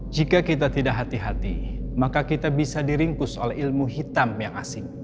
jika kita tidak hati hati maka kita bisa diringkus oleh ilmu hitam yang asing